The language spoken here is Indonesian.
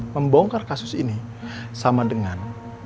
membongkar kasus ini sama dengan